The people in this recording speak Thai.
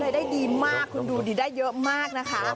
ได้ดีมากคุณดูดิได้เยอะมากนะคะ